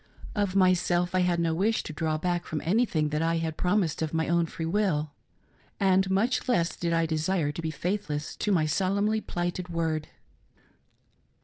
Of myself I had no wish to draw back from anything that I had promised of my own free will ; and much less did I desire to be faithless to my solemnly plighted word.